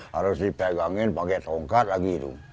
harus dipegangin pakai tongkat lagi itu